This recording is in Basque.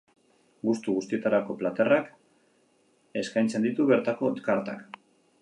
Gustu guztietarako platerak eskaintzen ditu bertako kartak.